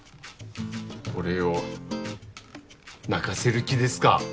俺を泣かせる気ですか？